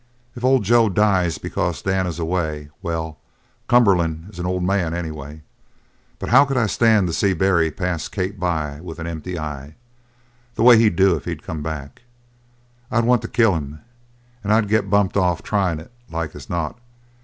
If old Joe dies because Dan is away well, Cumberland is an old man anyway. But how could I stand to see Barry pass Kate by with an empty eye, the way he'd do if he come back? I'd want to kill him, and I'd get bumped off tryin' it, like as not.